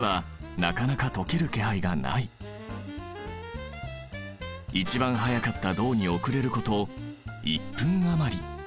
一番早かった銅に遅れること１分余り。